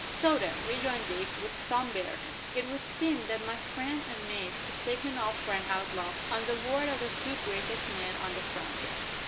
"So then," rejoined Dick, with some bitterness, "it would seem that my friend and mate is taken up for an outlaw on the word o' the two greatest men on the frontier!"